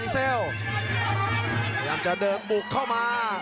พยายามจะเดินบุกเข้ามา